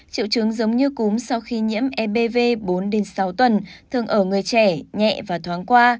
triệu chứng giống như cúm sau khi nhiễm ebvv bốn sáu tuần thường ở người trẻ nhẹ và thoáng qua